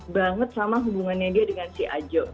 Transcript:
banget sama hubungannya dia dengan si ajo